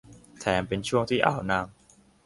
แถมเป็นช่วงที่อ่าวนาง